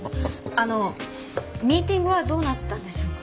あのミーティングはどうなったんでしょうか。